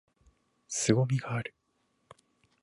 凄みがある！！！！